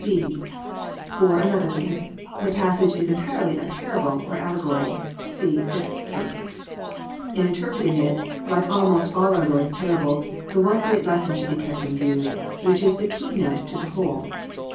(6) For another thing, the passage is entirely a parable, or alle gory. (See sixth verse.) In interpreting it, like almost all our Lord's parables, the one great lesson should be kept in view, which is the key note to the whole.